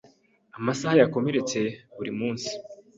Amasaha yakomeretse buri munsi.